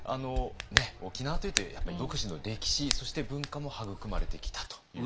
沖縄というとやっぱり独自の歴史そして文化も育まれてきたということですね。